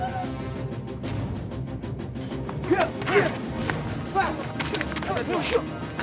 hei lepaskan perempuan itu